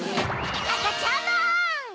あかちゃんまん‼